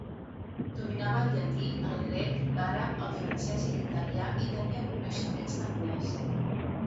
Dominava el llatí, el grec, l'àrab, el francès i l'italià i tenia coneixements d'anglès.